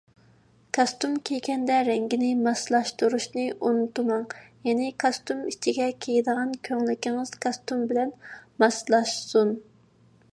كاستۇم كىيگەندە رەڭگىنى ماسلاشتۇرۇشنى ئۇنتۇماڭ، يەنى كاستۇم ئىچىگە كىيىدىغان كۆڭلىكىڭىز كاستۇم بىلەن ماسلاشسۇن.